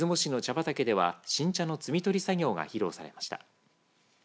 畑では新茶の摘み取り作業が披露されました。